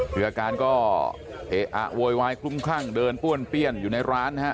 คืออาการก็เอะอะโวยวายคลุมคลั่งเดินป้วนเปี้ยนอยู่ในร้านนะฮะ